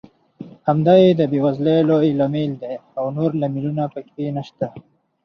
همدا یې د بېوزلۍ لوی لامل دی او نور لاملونه پکې نشته.